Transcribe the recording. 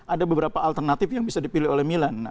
ada beberapa alternatif yang bisa dipilih oleh milan